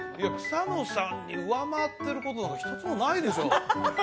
草野さんに上回ってることなんか一つもないでしょ？